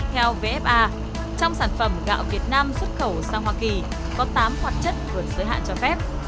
theo vfa trong sản phẩm gạo việt nam xuất khẩu sang hoa kỳ có tám hoạt chất vượt giới hạn cho phép